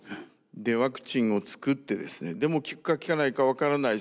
でワクチンを作ってですねでも効くか効かないか分からない。